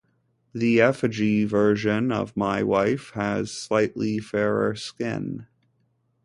The effigy version of my wife has slightly fairer skin.